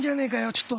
ちょっと。